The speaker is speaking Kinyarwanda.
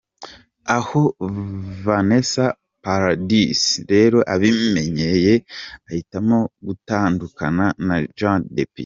Aho Vanessa Paradis rero abimenyeye ahitamo gutandukana na Johnny Depp.